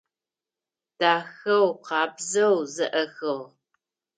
Дахэу, къабзэу зэӏэхыгъ.